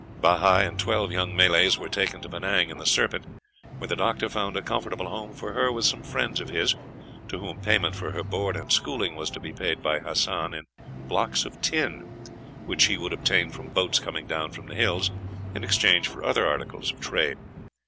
Bahi and twelve young Malays were taken to Penang in the Serpent, where the doctor found a comfortable home for her with some friends of his, to whom payment for her board and schooling was to be paid by Hassan in blocks of tin, which he would obtain from boats coming down from the hills in exchange for other articles of trade.